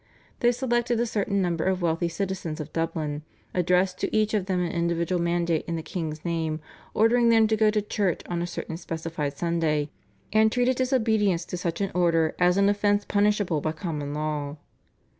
They selected a certain number of wealthy citizens of Dublin, addressed to each of them an individual mandate in the king's name ordering them to go to church on a certain specified Sunday, and treated disobedience to such an order as an offence punishable by common law.